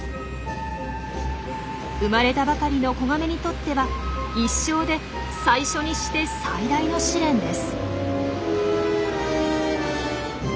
生まれたばかりの子ガメにとっては一生で最初にして最大の試練です。